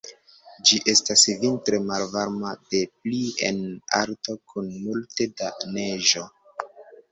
Ĝi estas vintre malvarma des pli en alto, kun multe da neĝo.